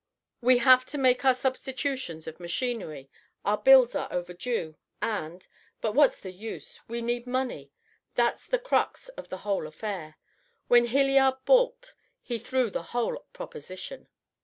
We have had to make substitutions of machinery, our bills are overdue, and but what's the use! We need money. That's the crux of the whole affair. When Hilliard balked, he threw the whole proposition."